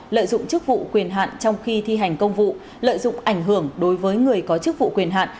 lợi dụng chức vụ quyền hạn trong khi thi hành công vụ lợi dụng ảnh hưởng đối với người có chức vụ quyền hạn